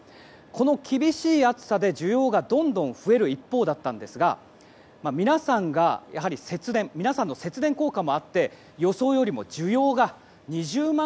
この厳しい暑さで需要がどんどん増える一方だったんですが皆さんの節電効果もあって予想よりも需要が２０万